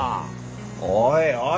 おいおい